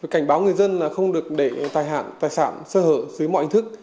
cảnh báo người dân là không được để tài sản xơ hở dưới mọi hình thức